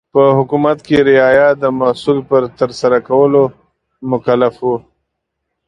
په حکومت کې رعایا د محصول په ترسره کولو مکلف و.